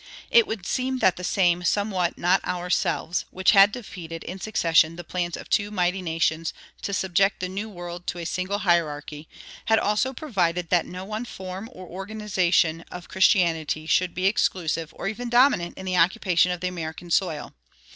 It would seem that the same "somewhat not ourselves," which had defeated in succession the plans of two mighty nations to subject the New World to a single hierarchy, had also provided that no one form or organization of Christianity should be exclusive or even dominant in the occupation of the American soil.